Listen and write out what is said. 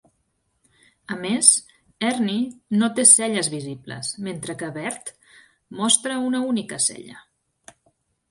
A més, Ernie no té celles visibles, mentre que Bert mostra una única cella.